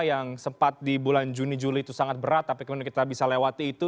yang sempat di bulan juni juli itu sangat berat tapi kemudian kita bisa lewati itu